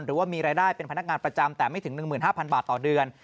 หรือว่ามีรายได้เป็นพนักงานประจำแต่ไม่ถึง๑๕๐๐บาทต่อเดือน